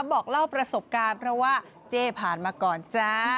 บอกเล่าประสบการณ์เพราะว่าเจ๊ผ่านมาก่อนจ้า